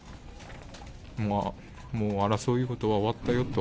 もう争いごとは終わったよと。